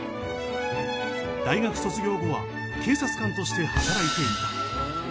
大学卒業後は警察官として働いていた。